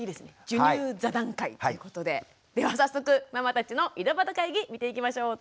授乳座談会ということででは早速ママたちの井戸端会議見ていきましょう。